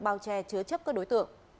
bao che chứa chấp các đối tượng